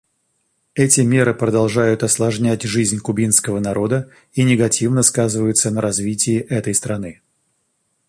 Эти меры продолжают осложнять жизнь кубинского народа и негативно сказываются на развитии этой страны.